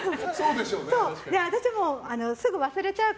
私もすぐ忘れちゃう